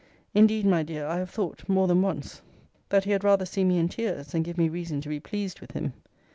Indeed, my dear, I have thought more than once, that he had rather see me in tears than give me reason to be pleased with him.